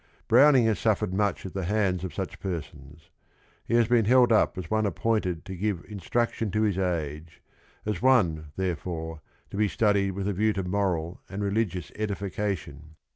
Browning has suffered much at the hands of such persons. He has been held up as one appointed to give instruction to his age, as one therefore to be studied with a view to moral and religious edi fication.